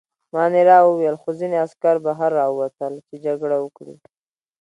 مانیرا وویل: خو ځینې عسکر بهر راووتل، چې جنګ وکړي.